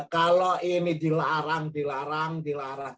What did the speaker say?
kalau ini dilarang dilarang dilarang